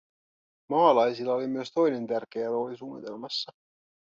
Maalaisilla oli myös toinen tärkeä rooli suunnitelmassa.